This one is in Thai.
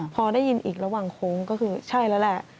พอได้ยินอีกระหว่างโค้งก็คือใช่แล้วแหละ